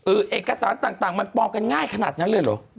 เอกสารต่างมันปลอมกันง่ายขนาดนั้นเลยเหรอ